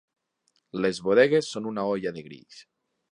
Les bodegues són una olla de grills.